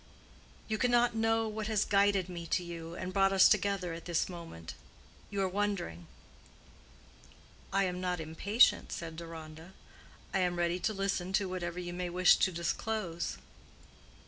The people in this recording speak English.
"You cannot know what has guided me to you and brought us together at this moment. You are wondering." "I am not impatient," said Deronda. "I am ready to listen to whatever you may wish to disclose."